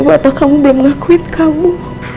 bapak kamu belum ngakuin kamu